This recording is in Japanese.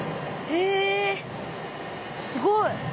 へえすごい。